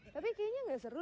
tapi kayaknya tidak seru